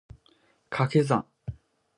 掛け算